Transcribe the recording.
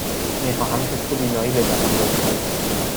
می خواهم تست بینایی بدهم، لطفاً.